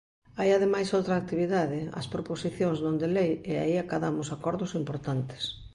Hai ademais outra actividade, as proposicións non de lei, e aí acadamos acordos importantes.